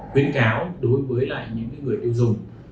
khuyến cáo đối với những người tiêu dùng